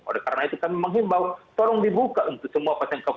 oleh karena itu kami menghimbau tolong dibuka untuk semua pasien covid sembilan belas